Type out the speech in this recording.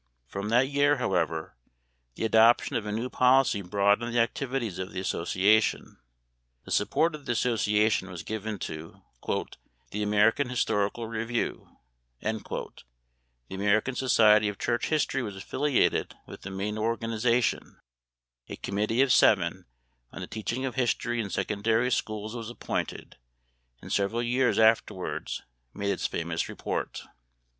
From that year, however, the adoption of a new policy broadened the activities of the association. The support of the association was given to "The American Historical Review"; the American Society of Church History was affiliated with the main organization: a Committee of Seven on the Teaching of History in Secondary Schools was appointed, and several years afterwards made its famous report.